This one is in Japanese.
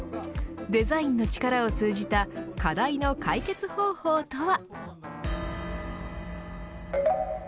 デザインの力を通じた課題の解決方法とは。